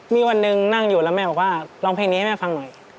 มีวันหนึ่งนั่งอยู่แล้วแม่บอกว่าร้องเพลงนี้ให้แม่ฟังหน่อย